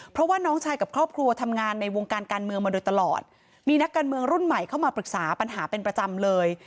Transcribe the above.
เพราะว่าน้องชายกับครอบครัวทำงานในวงการการเมืองมาโดยตลอดมีนักการเมืองรุ่นใหม่เข้ามาปรึกษาปัญหาเป็นประจำเลย